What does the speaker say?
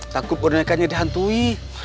takut bonekanya dihantui